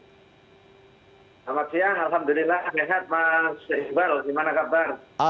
selamat siang alhamdulillah sehat mas iqbal gimana kabar